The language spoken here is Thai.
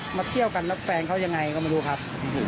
จุดมาเที่ยวกันแฟนเค้ายังไงก็ไม่รู้ครับ